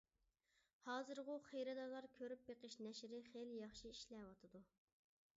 ھازىرغۇ خېرىدارلار كۆرۈپ بېقىش نەشرى خېلى ياخشى ئىشلەۋاتىدۇ.